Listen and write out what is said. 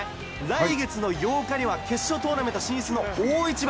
来月の８日には決勝トーナメント進出の大一番。